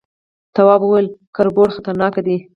تواب وويل، کربوړي خطرناکه دي.